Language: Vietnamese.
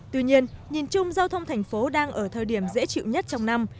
tuy nhiên nhìn chung giao thông thành phố đang ở thời điểm dễ chịu nhất trong năm